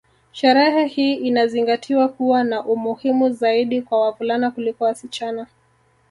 Sherehe hii inazingatiwa kuwa na umuhimu zaidi kwa wavulana kuliko wasichana